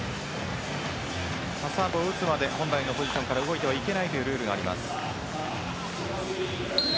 サーブを打つまで本来のポジションから動いてはいけないというルールがあります。